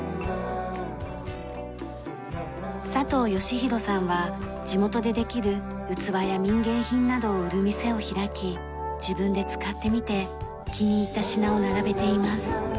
佐藤美博さんは地元でできる器や民芸品などを売る店を開き自分で使ってみて気に入った品を並べています。